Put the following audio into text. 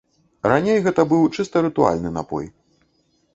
Раней гэта быў чыста рытуальны напой.